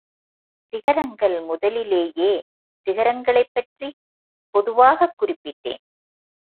சிகரங்கள் முதலிலேயே சிகரங்களைப் பற்றிப் பொதுவாகக் குறிப்பிட்டேன்.